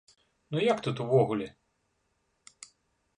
Ну як тут увогуле?